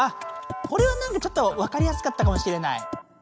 これはなんかちょっとわかりやすかったかもしれない。